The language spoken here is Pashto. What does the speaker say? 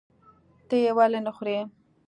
ته یې ولې نخورې؟